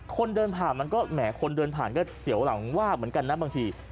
คนเดินผ่านมันก็แหมคนเดินผ่านก็เสียวหลังวาบเหมือนกันนะบางที